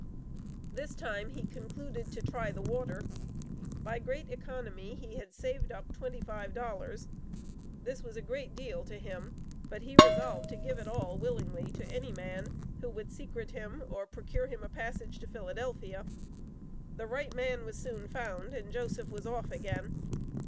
This time he concluded to try the water; by great economy he had saved up twenty five dollars. This was a great deal to him, but he resolved to give it all willingly to any man who would secrete him, or procure him a passage to Philadelphia. The right man was soon found, and Joseph was off again.